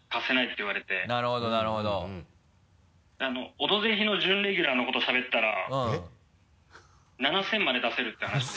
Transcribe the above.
「オドぜひ」の準レギュラーの事しゃべったら７０００まで出せるって話で。